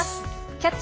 「キャッチ！